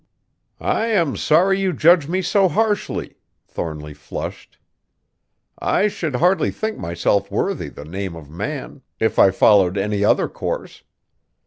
"I am sorry you judge me so harshly." Thornly flushed. "I should hardly think myself worthy the name of man, if I followed any other course.